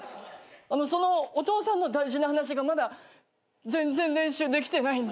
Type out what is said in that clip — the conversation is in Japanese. そのお父さんの大事な話がまだ全然練習できてないんで。